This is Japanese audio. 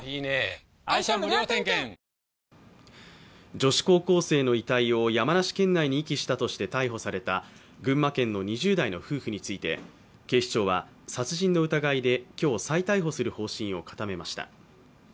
女子高校生の遺体を山梨県内に遺棄したとして逮捕された群馬県の２０代の夫婦について警視庁は殺人の疑いで今日、再逮捕する方針を固めました。